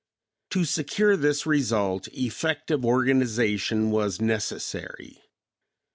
To secure this result effective organization was necessary.